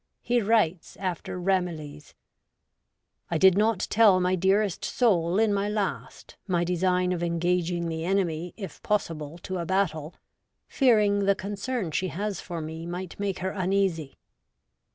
He writes after Ramillies :' I did not tell my dearest soul in my last my design of engaging the enemy if possible to a battle, fearing the concern she has for me might make her uneasy.